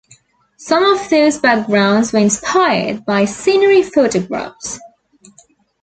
Some of those backgrounds were inspired by scenery photographs.